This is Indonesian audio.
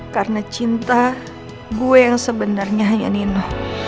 karena cinta gue yang sebenarnya hanya nino